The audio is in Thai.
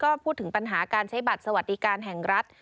ก็พูดถึงปัญหาการใช้บัตรสวัสดิการแห่งรัฐ